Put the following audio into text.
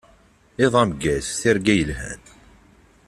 Iḍ ameggaz, tirga yelhan.